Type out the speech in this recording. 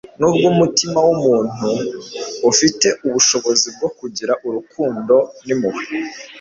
Nubwo umutima w umuntu ufite ubushobozi bwo kugira urukundo n impuhwe